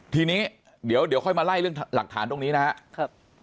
ทีนี้เดี๋ยวค่อยมาไล่เรื่องหลักฐานตรงนี้นะครับ